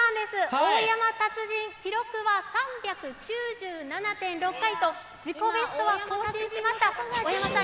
大山達人、記録は３９７．６回と、自己ベストは更新しました。